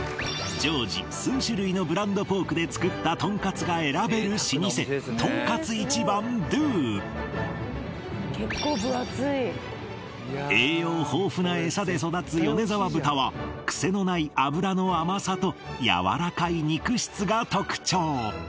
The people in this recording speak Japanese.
常時数種類のブランドポークで作ったトンカツが選べる老舗とんかつ一番２ｄｅｕｘ栄養豊富なエサで育つ米澤豚はクセのない脂の甘さとやわらかい肉質が特徴